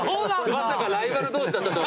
まさかライバル同士だったとは。